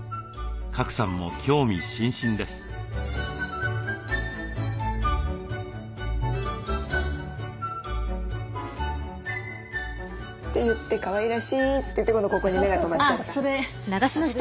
賀来さんも興味津々です。って言ってかわいらしいって言ってここに目が留まっちゃった。